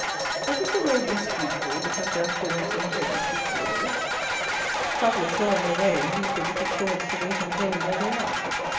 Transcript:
" But is the road less beautiful because there are thorns in the hedges which border it. Travellers go on their way, and leave the wicked thorns to wait in vain where they are.